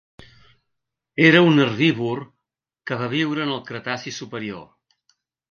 Era un herbívor que va viure en el Cretaci superior.